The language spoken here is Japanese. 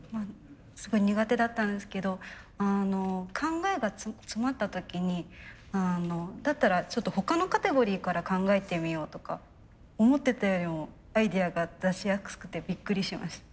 すごい苦手だったんですけど考えが詰まった時にだったらちょっと他のカテゴリーから考えてみようとか思ってたよりもアイデアが出しやすくてびっくりしました。